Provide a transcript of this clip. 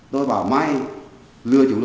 tôi bảo máy lừa chú đi